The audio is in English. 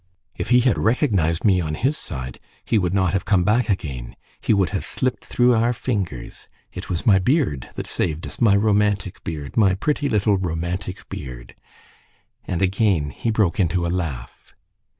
If he had recognized me on his side, he would not have come back again. He would have slipped through our fingers! It was my beard that saved us! my romantic beard! my pretty little romantic beard!" And again he broke into a laugh.